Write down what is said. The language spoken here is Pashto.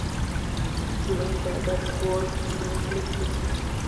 ګلاب د ادب خوږ لاسلیک دی.